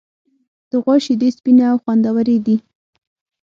د غوا شیدې سپینې او خوندورې دي.